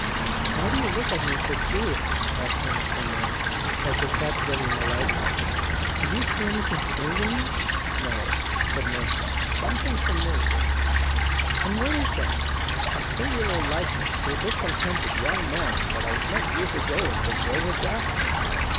"Why do you look at me so curiously?" asked Hermas, one morning, as they sat together in the library. "Do you see anything strange in me?" "No," answered Marcion; "something familiar." "And what is that?" "A singular likeness to a discontented young man that I met some years ago in the Grove of Daphne."